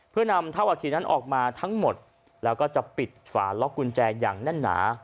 เพื่อนำท่าวาทีนั้นออกมาทั้งหมดแล้วก็จะปิดฝาล็อกกุญแจอย่างแน่นหนา